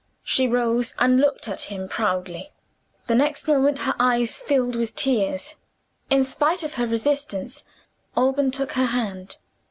She rose, and looked at him proudly. The next moment her eyes filled with tears. In spite of her resistance, Alban took her hand.